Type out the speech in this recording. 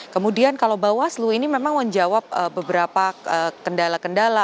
kemudian kalau bawaslu ini memang menjawab beberapa kendala kendala